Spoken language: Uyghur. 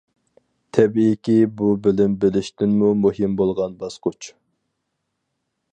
تەبىئىيكى، بۇ بىلىم بېرىشتىنمۇ مۇھىم بولغان باسقۇچ.